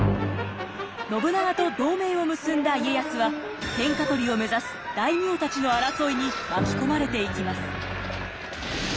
信長と同盟を結んだ家康は天下取りを目指す大名たちの争いに巻き込まれていきます。